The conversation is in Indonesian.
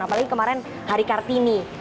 apalagi kemarin hari kartini